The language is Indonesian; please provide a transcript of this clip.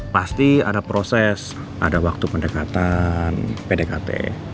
pasti ada proses ada waktu pendekatan pdkt